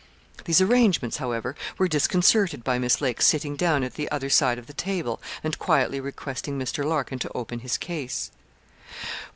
These arrangements, however, were disconcerted by Miss Lake's sitting down at the other side of the table, and quietly requesting Mr. Larkin to open his case.